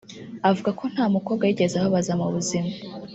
Avuga ko nta mukobwa yigeze ababaza mu buzima